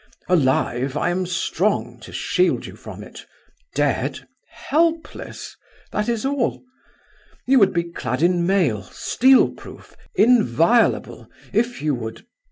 Alive, I am strong to shield you from it; dead, helpless that is all. You would be clad in mail, steel proof, inviolable, if you would ...